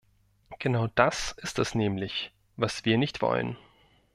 Genau das ist es nämlich, was wir nicht wollen.